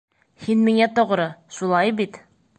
Һин миңә тоғро, шулай бит?